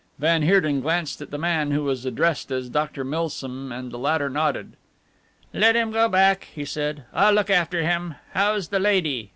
Van Heerden glanced at the man who was addressed as Dr. Milsom and the latter nodded. "Let him go back," he said, "I'll look after him. How's the lady?"